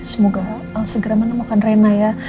semoga al segera menemukan rina ya